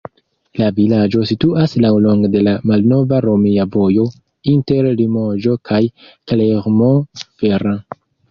La vilaĝo situas laŭlonge de la malnova romia vojo inter Limoĝo kaj Clermont-Ferrand.